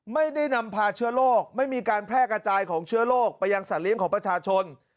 ไม่ได้นำพาเชื้อโรคไม่มีการแพร่กระจายของเชื้อโรคไปยังสัตเลี้ยงของประชาชน